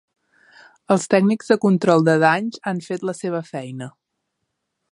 Els tècnics de control de danys han fet la seva feina.